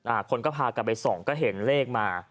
คนก็พากันไปส่องก็เห็นเลขมา